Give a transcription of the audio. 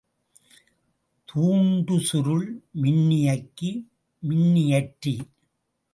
தூண்டுசுருள், மின்னியக்கி, மின்னியற்றி.